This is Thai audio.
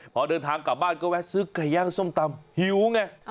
พอเดินทางกลับบ้านก็แวะซื้อไก่ย่างส้มตำหิวไง